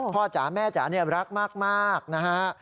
จ๋าแม่จ๋ารักมากนะฮะ